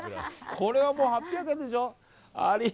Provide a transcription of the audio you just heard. これはもう８００円でしょう。